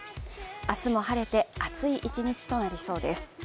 明日も晴れて暑い一日となりそうです。